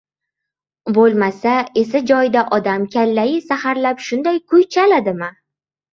– Bo‘lmasa, esi joyida odam kallai saharlab shunday kuy chaladimi?